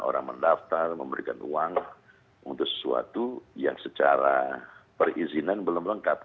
orang mendaftar memberikan uang untuk sesuatu yang secara perizinan belum lengkap